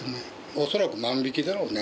おそらく万引きだろうね。